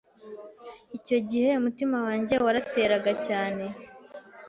Icyo gihe umutima wanjye warateraga cyane,